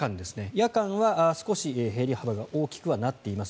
夜間は少し減り幅が大きくはなっています。